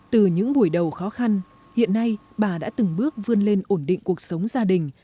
từ những buổi đầu khó khăn hiện nay bà đã từng bước vươn lên ổn định cuộc sống gia đình